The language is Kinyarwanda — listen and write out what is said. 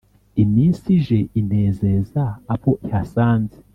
Iminsi ije inezeza abo ihasanze